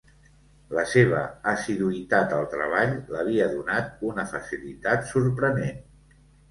La seva assiduïtat al treball l'havia donat una facilitat sorprenent.